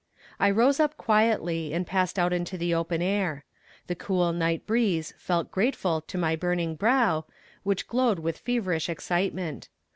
I rose up quietly and passed out into the open air. The cool night breeze felt grateful to my burning brow, which glowed with feverish excitement.